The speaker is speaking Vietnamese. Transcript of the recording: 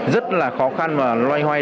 rất là khó khăn và loay hoay